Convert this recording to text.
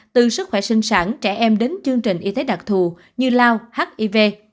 từ sức khỏe sinh sản trẻ em đến chương trình y tế đặc thù như lao hiv